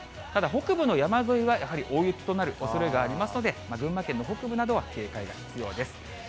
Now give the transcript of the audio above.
ただ、北部の山沿いはやはり大雪となるおそれがありますので、群馬県の北部などは警戒が必要です。